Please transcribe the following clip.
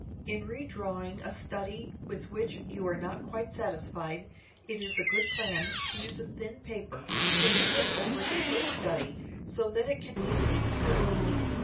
In redrawing a study with which you are not quite satisfied, it is a good plan to use a thin paper, pinning it over the first study so that it can be seen through.